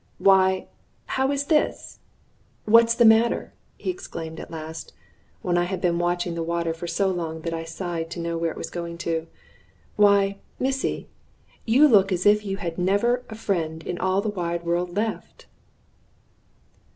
"Why, how is this? What's the matter?" he exclaimed at last, when I had been watching the water so long that I sighed to know where it was going to. "Why, missy, you look as if you had never a friend in all the wide world left."